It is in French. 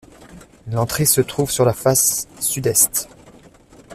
L’entrée se trouve sur la face sud-est.